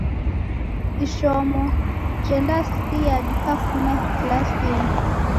Ishomo jendasiya dikafuma kilasinyi.